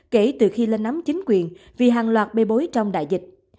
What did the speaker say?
kể từ khi lên nắm chính quyền vì hàng loạt bê bối trong đại dịch